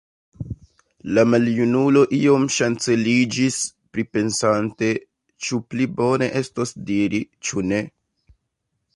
La maljunulo iom ŝanceliĝis, pripensante, ĉu pli bone estos diri, ĉu ne.